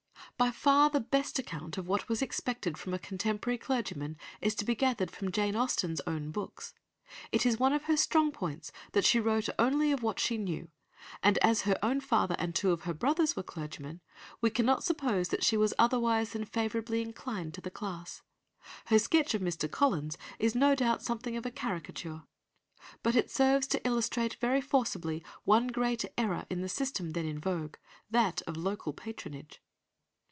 By far the best account of what was expected from a contemporary clergyman is to be gathered from Jane Austen's own books. It is one of her strong points that she wrote only of what she knew, and as her own father and two of her brothers were clergymen, we cannot suppose that she was otherwise than favourably inclined to the class. Her sketch of Mr. Collins is no doubt something of a caricature, but it serves to illustrate very forcibly one great error in the system then in vogue—that of local patronage.